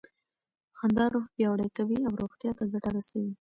خندا روح پیاوړی کوي او روغتیا ته ګټه رسوي.